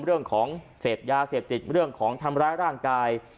เรื่องของเสพยาเสพติดเรื่องของทำร้ายร่างกาย